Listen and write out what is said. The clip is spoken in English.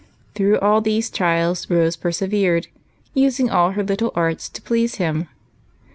Through all these trials Rose persevered, using all her little arts to please him.